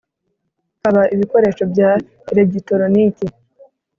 Haba ibikoresho bya elegitoroniki.